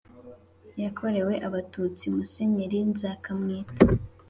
yakorewe Abatutsi Musenyeri Nzakamwita